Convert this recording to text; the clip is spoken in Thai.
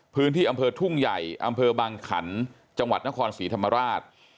พื้นที่อำเภอทุ่งใหญ่อำเภอบางขันจังหวัดนครศรีธรรมราช